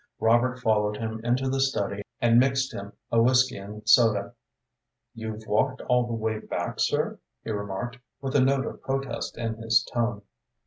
Robert followed him into the study and mixed him a whisky and soda. "You've walked all the way back, sir?" he remarked, with a note of protest in his tone.